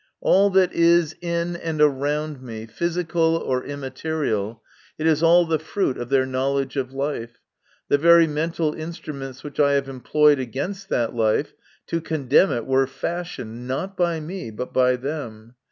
All that is in and around me, physical or immaterial, it is all the fruit of their know ledge of life. The very mental instruments which I have employed against that life, to condemn it, were fashioned, not by me, but by them.